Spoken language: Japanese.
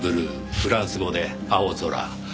フランス語で「青空」。